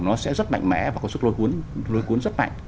nó sẽ rất mạnh mẽ và có sức lôi cuốn rất mạnh